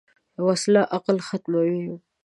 وسله عقل ختموي